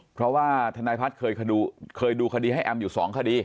เพราะว่าทนายพัฒน์เคยดูคดีให้แอมอยู่๒คดี